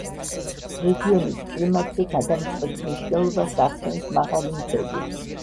რეგიონის კლიმატზე გადამწყვეტ მნიშვნელობას ახდენს მაღალი მთები.